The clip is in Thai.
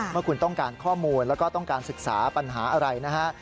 เมื่อคุณต้องการข้อมูลแล้วก็ต้องการศึกษาปัญหาอะไรนะฮะ